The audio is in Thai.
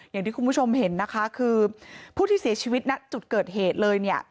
อย่างที่คุณผู้ชมเห็นนะคะคือผู้ที่เสียชีวิตณจุดเกิดเหตุเลยเนี่ย